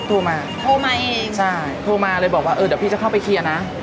โทรมาเลยบอกว่าเออเดี๋ยวพี่จะเข้าไปเคลียร์นะ